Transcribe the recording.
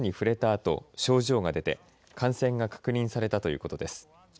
あと症状が出て感染が確認されたということです。